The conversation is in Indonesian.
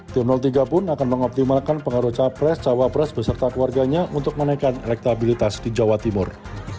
tim tiga pun akan mengoptimalkan pengaruh capres cawapres beserta keluarganya untuk menaikkan elektabilitas di jawa timur